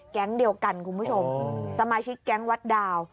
แก๊งเดียวกันคุณผู้ชมสมาชิกแก๊งวัดดาว